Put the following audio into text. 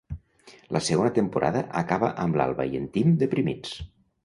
La segona temporada acaba amb l'Alba i en Tim deprimits.